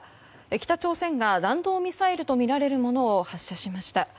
北朝鮮が弾道ミサイルとみられるものを発射しました。